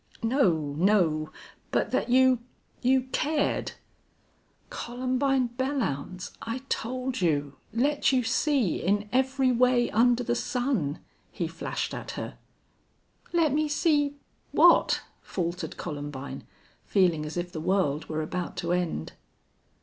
"No no. But that you you cared " "Columbine Belllounds, I told you let you see in every way under the sun," he flashed at her. "Let me see what?" faltered Columbine, feeling as if the world were about to end.